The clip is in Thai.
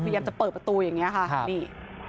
พยายามจะเปิดประตูอย่างนี้ค่ะนี่